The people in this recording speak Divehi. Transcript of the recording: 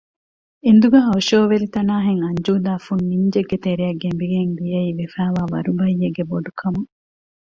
އެނދުގައި އޮށޯވެލި ތަނާހެން އަންޖޫދާ ފުން ނިންޖެއްގެ ތެރެއަށް ގެނބިގެން ދިއައީ ވެފައިވާ ވަރުބައްޔެއްގެ ބޮޑުކަމުން